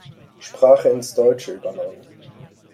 Sprache ins Deutsche übernommen.